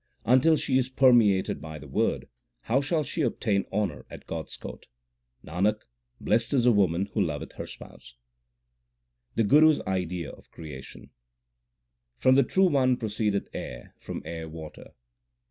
Until she is permeated by the Word, how shall she obtain honour at God s court ? Nanak, blest is the woman who loveth her Spouse. The Guru s idea of creation : From the True One proceedeth air, from air water.